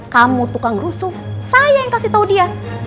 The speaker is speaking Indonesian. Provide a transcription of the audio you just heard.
kamu tukang rusuh saya yang kasih tahu dia